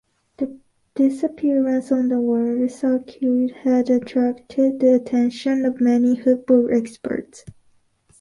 This appearance on the world circuit had attracted the attention of many football experts.